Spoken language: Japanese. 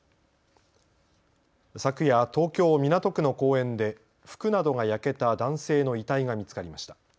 昨夜、東京港区の公園で服などが焼けた男性の遺体が見つかりました。